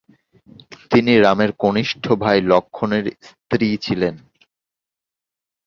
তিনি রামের কনিষ্ঠ ভাই লক্ষ্মণের স্ত্রী ছিলেন।